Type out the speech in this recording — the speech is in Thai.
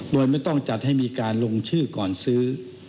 โดยไม่ต้องจัดให้มีการลงชื่อก่อนซื้อ